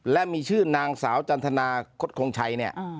และมีชื่อนางสาวจันทนาคตคงชัยเนี่ย